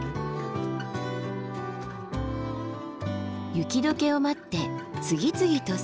雪解けを待って次々と咲く花。